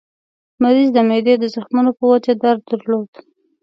مریض د معدې د زخمونو په وجه درد درلود.